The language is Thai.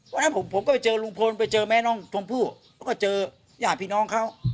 วันนั้นผมก็ไปเจอลุงพลไปเจอแม่น้องชมพู่แล้วก็เจอญาติพี่น้องเขา